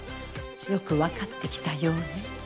よく分かってきたようね。